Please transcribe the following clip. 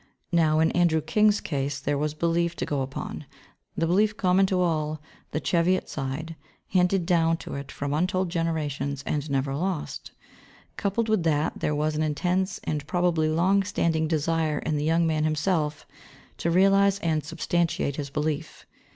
Now in Andrew King's case there was belief to go upon, the belief common to all the Cheviot side, handed down to it from untold generations and never lost; coupled with that, there was an intense and probably long standing desire in the young man himself to realise and substantiate his belief.